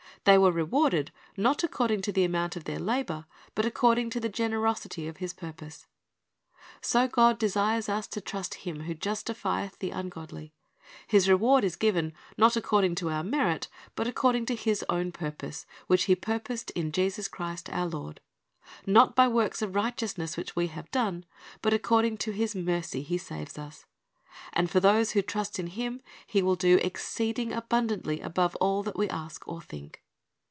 They were rewarded, not according to the amount of their labor, but according to the generosity of his purpose. So God desires us to trust in Him who justifieth the ungodly. His reward is given, not according to our merit, but according to His own purpose, "which He purposed in Christ Jesus our Lord." "Not by works of righteousness which we have done, but according to His mercy He saved us."'' And for those who trust in Him He will do "exceeding abundantly above all that we ask or think."